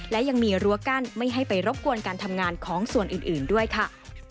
และยังมีรั้วกั้นไม่ให้ไปรบกวนการทำงานของส่วนอื่นด้วยค่ะ